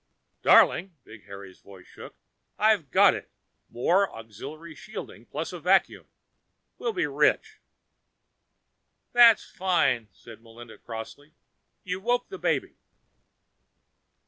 "Darling." Big Harry's voice shook. "I've got it! More auxiliary shielding plus a vacuum. We'll be rich!" "That's just fine," said Melinda crossly. "You woke the baby."